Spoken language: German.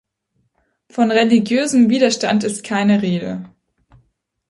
Von religiösem Widerstand ist keine Rede.